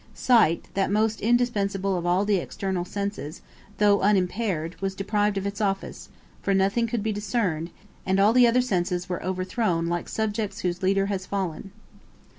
Sight, that most indispensable of all the external senses, though unimpaired, was deprived of its office, for nothing could be discerned, and all the other senses were overthrown like subjects whose leader has fallen.